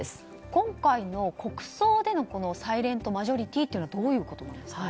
今回の国葬でのサイレントマジョリティーはどういうことなんですか。